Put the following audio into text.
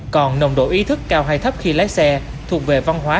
còn nồng độ ý thức cao hay thấp khi lái xe thuộc về văn hóa